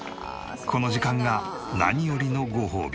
この時間が何よりのごほうび。